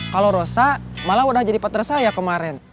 kalau rosa malah udah jadi petersaya kemarin